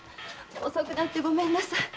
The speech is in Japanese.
遅くなってごめんなさい。